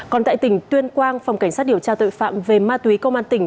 còn tại tỉnh tuyên quang phòng cảnh sát điều tra tội phạm về ma túy công an tỉnh